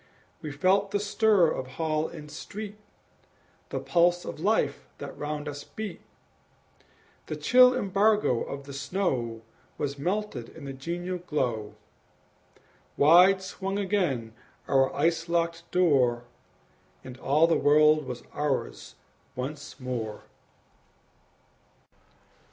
We felt the stir of hall and street, The pulse of life that round us beat; The chill embargo of the snow Was melted in the genial glow; Wide swung again our ice locked door, And all the world was ours once more!